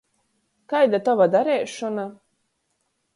Kaida tova dariešona?